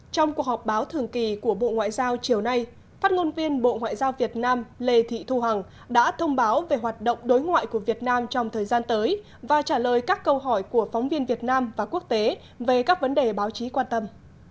trong cuộc họp báo thường kỳ của bộ ngoại giao chiều nay phát ngôn viên bộ ngoại giao việt nam lê thị thu hằng đã thông báo về hoạt động đối ngoại của việt nam trong thời gian tới và trả lời các câu hỏi của phóng viên việt nam và quốc tế về các vấn đề báo chí quan tâm